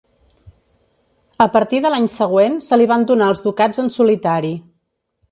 A partir de l'any següent se li van donar els ducats en solitari.